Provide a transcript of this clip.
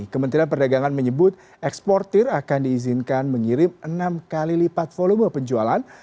kementerian perdagangan menyebut eksportir akan diizinkan mengirim enam kali lipat volume penjualan